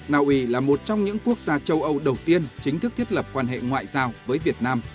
na uy là một trong những quốc gia châu âu đầu tiên chính thức thiết lập quan hệ ngoại giao với việt nam